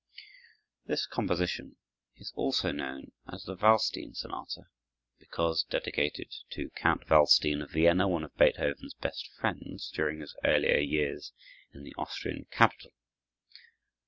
This composition is also known as the "Waldstein Sonata," because dedicated to Count Waldstein, of Vienna, one of Beethoven's best friends, during his earlier years in the Austrian capital.